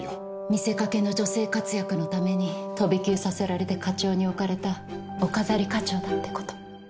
見せかけの女性活躍のために飛び級させられて課長に置かれたお飾り課長だってこと。